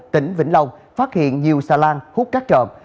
tỉnh vĩnh long phát hiện nhiều xà lan hút cát trộm